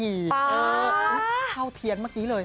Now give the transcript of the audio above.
อุ๊ยเข้าเทียนเมื่อกี้เลย